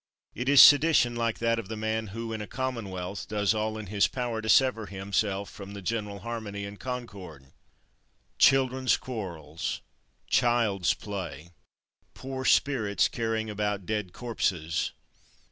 It is sedition like that of the man who, in a commonwealth, does all in his power to sever himself from the general harmony and concord. 24. Children's quarrels! Child's play! Poor spirits carrying about dead corpses!